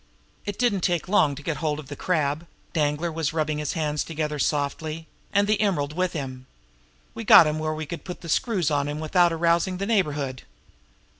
"It didn't take long to get hold of the Crab" Danglar was rubbing his hands together softly "and the emerald with him. We got him where we could put the screws on without arousing the neighborhood."